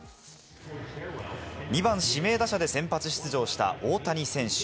２番・指名打者で先発出場した大谷選手。